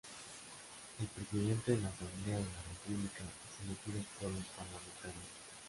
El presidente de la Asamblea de la República es elegido por los parlamentarios.